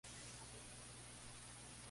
Luego llamó a Los Ángeles a casa.